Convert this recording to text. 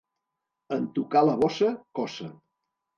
En tocar la bossa, coça.